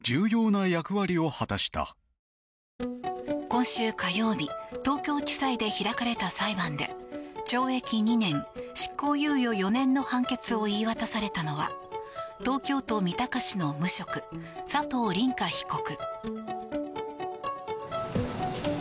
今週火曜日東京地裁で開かれた裁判で懲役２年、執行猶予４年の判決を言い渡されたのは東京都三鷹市の無職佐藤凛果被告。